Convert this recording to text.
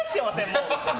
もう。